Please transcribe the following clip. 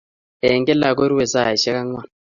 Eng' kila korue saisyek ang'wan.